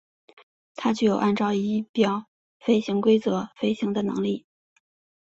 它具有按照仪表飞行规则飞行的能力。